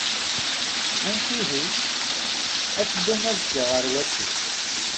Amek ihi? Ad teddum azekka ɣer wasif?